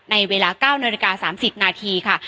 ในเวลา๙นาฬิกา๓๐นาทีค่ะ